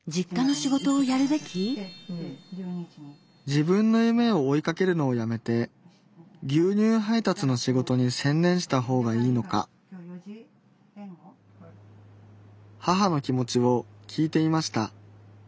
自分の夢を追いかけるのをやめて牛乳配達の仕事に専念した方がいいのか母の気持ちを聞いてみました